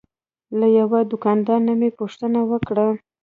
له یوه دوکاندار نه مې پوښتنه وکړه.